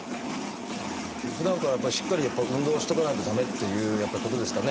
だからふだんからやっぱりしっかり運動しとかないと駄目っていうことですかね？